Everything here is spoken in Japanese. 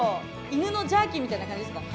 犬のジャーキーみたいな感じですか？